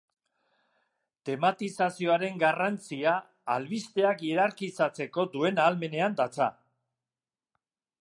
Tematizazioaren garrantzia albisteak hierarkizatzeko duen ahalmenean datza.